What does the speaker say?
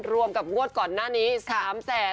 รวมกับงวดก่อนหน้านี้๓๐๐๐๐๐บาท